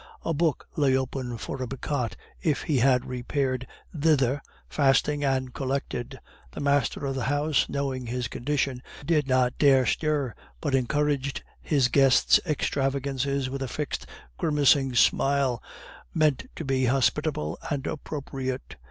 A book lay open for a Bichat if he had repaired thither fasting and collected. The master of the house, knowing his condition, did not dare stir, but encouraged his guests' extravangances with a fixed grimacing smile, meant to be hospitable and appropriate.